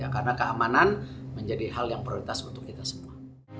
karena keamanan menjadi hal yang prioritas untuk kita semua